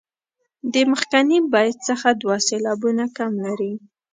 د مخکني بیت څخه دوه سېلابونه کم لري.